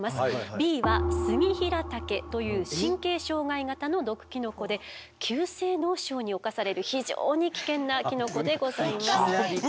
Ｂはスギヒラタケという神経障害型の毒キノコで急性脳症に侵される非常に危険なキノコでございます。